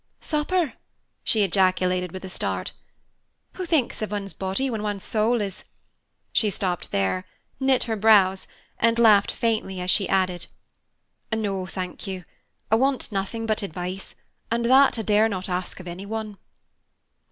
"Supper!" she ejaculated, with a start. "Who thinks of one's body when one's soul is " She stopped there, knit her brows, and laughed faintly as she added, "No, thank you. I want nothing but advice, and that I dare not ask of anyone."